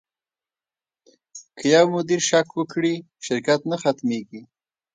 که یو مدیر شک وکړي، شرکت نه ختمېږي.